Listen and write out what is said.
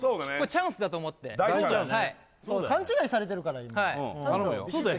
チャンスだと思って勘違いされてるから今はいそうだよ